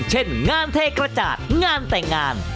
เช่นงานเทกระจาดงานแต่งงาน